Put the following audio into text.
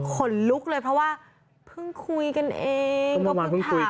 ขนลุกเลยเพราะว่าเพิ่งคุยกันเอง